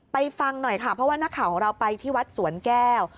ฟังหน่อยค่ะเพราะว่านักข่าวของเราไปที่วัดสวนแก้ว